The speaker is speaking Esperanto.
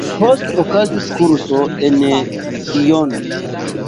Poste okazis kurso en Dijon.